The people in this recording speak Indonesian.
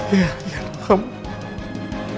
ya ya tuhan